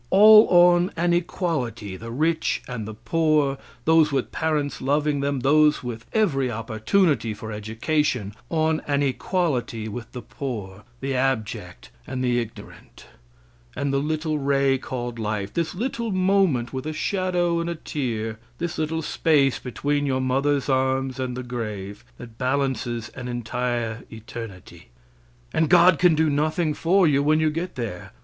All on an equality the rich and the poor, those with parents loving them, those with every opportunity for education, on an equality with the poor, the abject, and the ignorant and the little ray called life, this little moment with a shadow and a tear, this little space between your mother's arms and the grave, that balances an entire eternity. And God can do nothing for you when you get there.